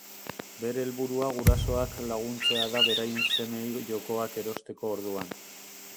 Bere helburua gurasoak laguntzea da beraien semeei jokoak erosteko orduan.